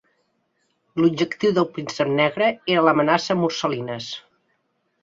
L'objectiu del "Príncep Negre" era l'amenaça a Morsalines.